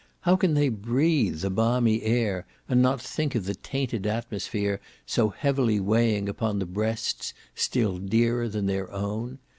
How can they breathe the balmy air, and not think of the tainted atmosphere so heavily weighing upon breasts still dearer than their own?